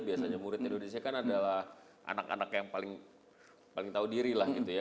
biasanya murid indonesia kan adalah anak anak yang paling tahu diri lah gitu ya